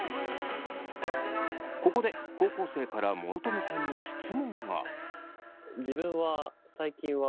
ここで高校生から諸富さんに質問が。